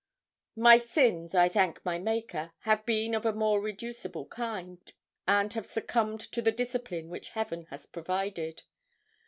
My sins, I thank my Maker, have been of a more reducible kind, and have succumbed to the discipline which Heaven has provided.